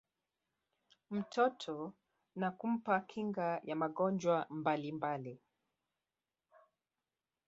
mtoto na kumpa kinga ya magonjwa mbalimbali